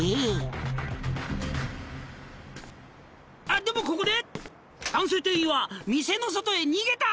［あっでもここで男性店員は店の外へ逃げた］